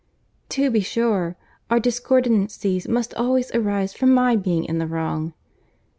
"To be sure—our discordancies must always arise from my being in the wrong."